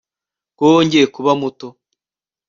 ko wongeye kuba muto